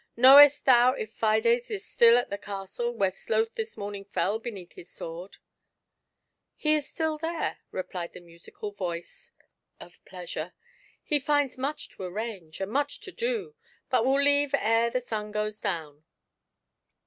Knowest thou if Fides is still at the castle where Sloth this morning fell beneath his sword ?" "He is still there," replied the musical voice of Pleasure; "he finds much to arrange, and much to do, but will leave ere the sun goes down."